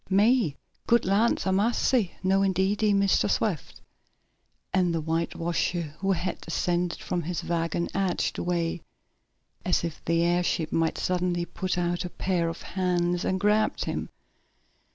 "Me? Good land a' massy! No indeedy, Mistah Swift," and the whitewasher, who had descended from his wagon, edged away, as if the airship might suddenly put out a pair of hands and grab him.